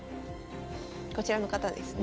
こちらの方ですね。